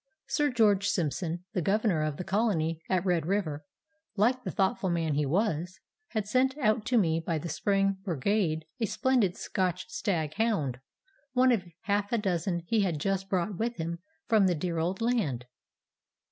Sir George Simpson, the governor of the colony at Red River, like the thoughtful man he was, had sent out to me by the spring brigade a splendid Scotch stag hound, one of half a dozen he had just brought with him from the dear old land.